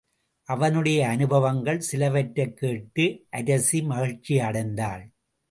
அவனுடைய அநுபவங்கள் சிலவற்றைக் கேட்டு அரசி மகிழ்ச்சியடைந்தாள்.